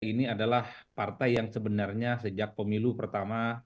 ini adalah partai yang sebenarnya sejak pemilu pertama